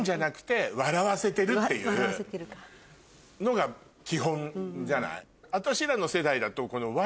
が基本じゃない？